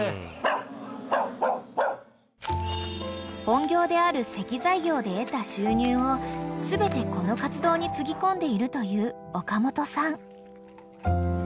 ［本業である石材業で得た収入を全てこの活動につぎ込んでいるという岡本さん］